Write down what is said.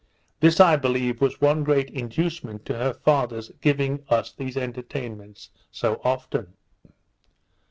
This, I believe, was one great inducement to her father's giving us these entertainments so often.